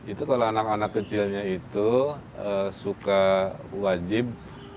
itu kalau anak anak kecilnya itu suka wajib